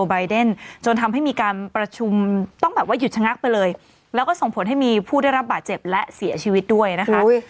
จนทำให้มีการประชุมต้องแบบว่าหยุดชะงักไปเลยแล้วก็ส่งผลให้มีผู้ได้รับบาดเจ็บและเสียชีวิตด้วยนะคะ